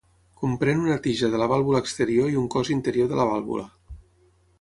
Comprèn una tija de la vàlvula exterior i un cos interior de la vàlvula.